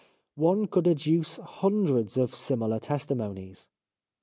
" One could adduce hundreds of similar testimonies.